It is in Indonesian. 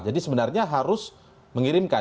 jadi sebenarnya harus mengirimkan